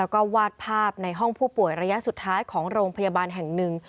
ก็วาดภาพในห้องผู้ป่วยระยะสุดท้ายของโรงพยาบาลแห่งหนึ่ง